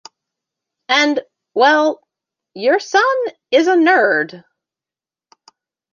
And well, your son is a nerd.